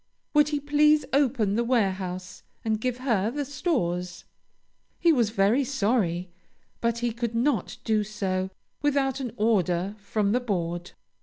Would he please open the warehouse and give her the stores? He was very sorry, but he could not do so without an order from the board.